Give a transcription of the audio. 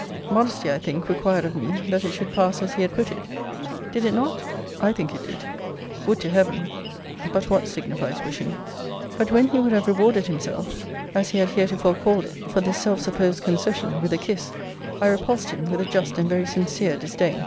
Modesty, I think, required of me, that it should pass as he had put it: Did it not? I think it did. Would to heaven but what signifies wishing? But when he would have rewarded himself, as he had heretofore called it, for this self supposed concession, with a kiss, I repulsed him with a just and very sincere disdain.